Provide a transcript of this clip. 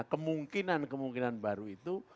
kemungkinan kemungkinan baru itu